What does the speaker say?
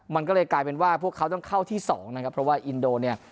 มันก็เลยกลายเป็นว่าพวกเขาต้องเข้าที่สองนะครับเพราะว่าอินโดเนี่ย